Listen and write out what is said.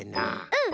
うん！